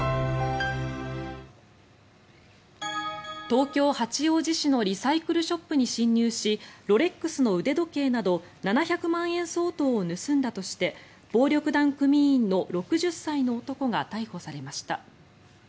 東京・八王子市のリサイクルショップに侵入しロレックスの腕時計など７００万円相当を盗んだとして暴力団組員の６０歳の男が逮捕されました。